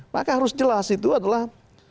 maka harus jelas itu adalah